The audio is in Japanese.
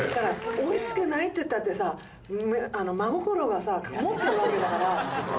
おいしくないって言ったってさ、真心がさ、込もってるわけだから。